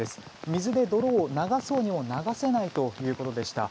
水で泥を流そうにも流せないということでした。